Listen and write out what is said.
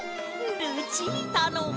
ルチータの。